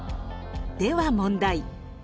では問題。